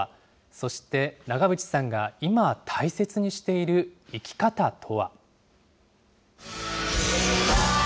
そして、長渕さんが今大切にしている生き方とは。